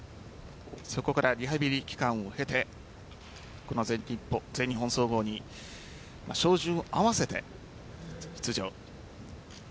そこからリハビリ期間を経てこの全日本総合に照準を合わせて出場。